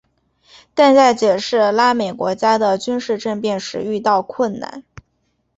但在解释拉美国家的军事政变时遇到困难。